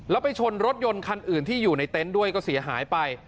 แล้วไปชนรถยนต์คันอื่นที่อยู่ในเต็นต์ด้วยก็เสียหายไป